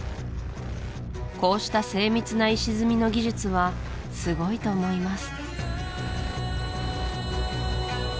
こうした精密な石積みの技術はすごいと思います